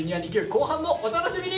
後半もお楽しみに！